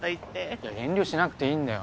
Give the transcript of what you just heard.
いや遠慮しなくていいんだよ。